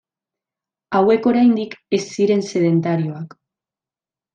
Hauek oraindik ez ziren sedentarioak.